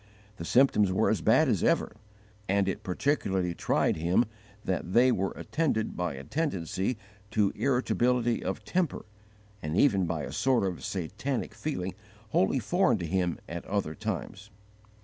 The symptoms were as bad as ever, and it particularly tried him that they were attended by a tendency to irritability of temper, and even by a sort of satanic feeling wholly foreign to him at other times.